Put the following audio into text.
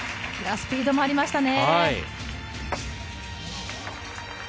スピードもありましたね。